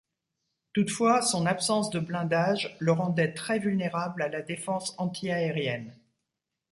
Toutefois son absence de blindage le rendait très vulnérable à la défense anti-aérienne.